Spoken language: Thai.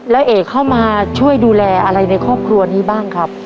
แล้วเอกเข้ามาช่วยดูแลอะไรในครอบครัวนี้บ้างครับ